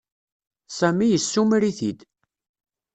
Sami yessumer-it-id.